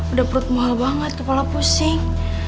udah perut mahal banget kepala pusing